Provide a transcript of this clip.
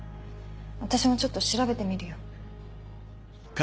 私もちょっと調べてみるよ。